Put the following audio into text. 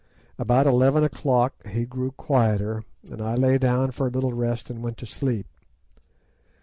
About eleven o'clock he grew quieter, and I lay down for a little rest and went to sleep.